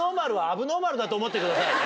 だと思ってくださいね。